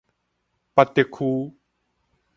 八德區